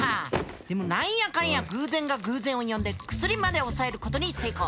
でも何やかんや偶然が偶然を呼んで薬まで押さえることに成功。